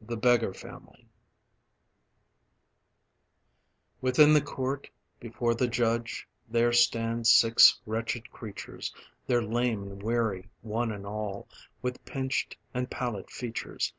The Beggar Family Within the court, before the judge, There stand six wretched creatures, They're lame and weary, one and all, With pinched and pallid features.